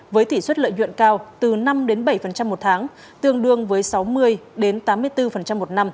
với tỷ suất lợi nhuận cao từ năm bảy một tháng tương đương với sáu mươi tám mươi bốn một năm